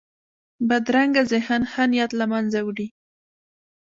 بدرنګه ذهن ښه نیت له منځه وړي